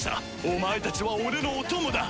お前たちは俺のお供だ！